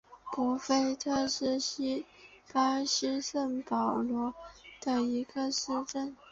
博费特是巴西圣保罗州的一个市镇。